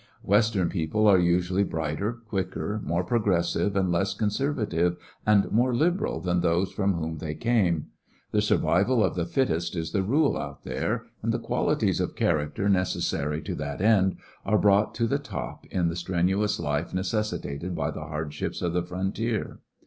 Western people are usually brighter, quicker, more progressive, and less conservative and more liberal than those from whom they came. The survival of the fittest is the rule out there, and the qualities of character necessary to that end are brought to the top in the strenuous life necessitated by the hardships of the frontier.